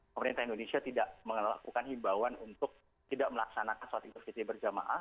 pemerintah indonesia tidak melakukan himbauan untuk tidak melaksanakan sholat idul fitri berjamaah